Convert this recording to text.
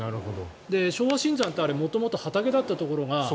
昭和新山って元々、畑だったところが。